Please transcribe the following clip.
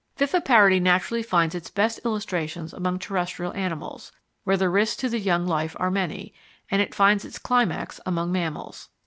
Viviparity naturally finds its best illustrations among terrestrial animals, where the risks to the young life are many, and it finds its climax among mammals.